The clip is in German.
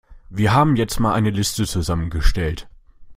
Wir haben jetzt mal eine Liste zusammengestellt.